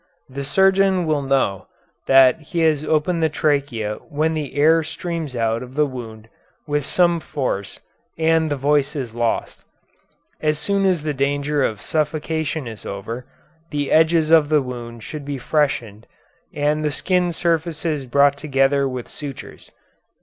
The surgeon will know that he has opened the trachea when the air streams out of the wound with some force, and the voice is lost. As soon as the danger of suffocation is over, the edges of the wound should be freshened and the skin surfaces brought together with sutures.